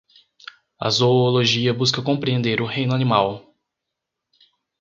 A zoologia busca compreender o reino animal